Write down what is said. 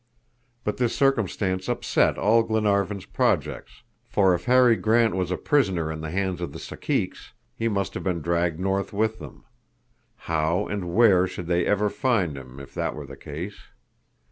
But this circumstance upset all Glenarvan's projects, for if Harry Grant was a prisoner in the hands of the Caciques, he must have been dragged north with them. How and where should they ever find him if that were the case?